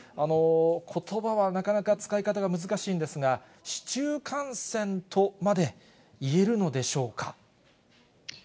ことばはなかなか使い方が難しいんですが、市中感染とまで言えるのでしょうか。